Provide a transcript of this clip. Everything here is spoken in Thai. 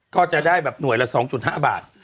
ก็จะได้แบบหน่วยละ๒๕บาท